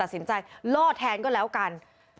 สินใจล่อแทนก็แล้วกัน